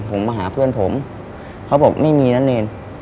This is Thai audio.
ผมมาหาเพื่อนผมเขาบอกไม่มีนะเนร